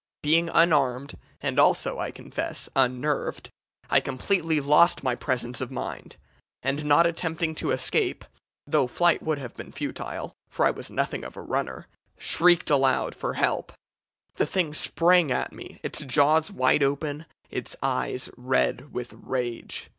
Being unarmed, and also, I confess, unnerved, I completely lost my presence of mind, and not attempting to escape though flight would have been futile, for I was nothing of a runner shrieked aloud for help. The thing sprang at me, its jaws wide open, its eyes red with rage.